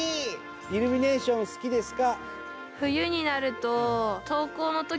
イルミネーション好きですか？